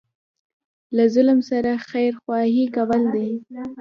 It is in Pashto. له ظالم سره خیرخواهي کول دي.